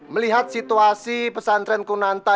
melihat situasi pesantren kunanta